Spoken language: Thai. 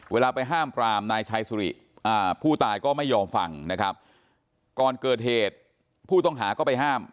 เวลาไปห้ามปรามนายชายสุริผู้ตายก็ไม่ยอมฟังนะครับก่อนเกิดเหตุผู้ต้องหาก็ไปห้าม